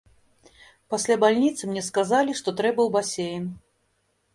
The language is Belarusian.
Пасля бальніцы мне сказалі, што трэба ў басейн.